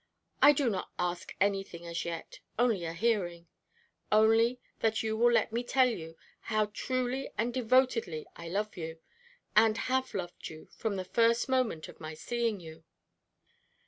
I do not ask anything as yet, only a hearing only that you will let me tell you how truly and devotedly I love you, and have loved you from the first moment of my seeing you."